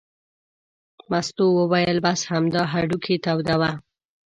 مستو وویل: بس همدا هډوکي تودوه.